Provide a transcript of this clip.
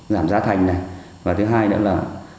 giảm giá thành này và thứ hai nữa là